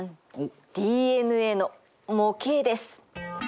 ＤＮＡの模型です。